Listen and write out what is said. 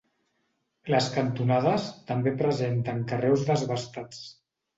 Les cantonades també presenten carreus desbastats.